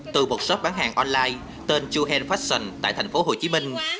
từ một shop bán hàng online tên two hand fashion tại tp hcm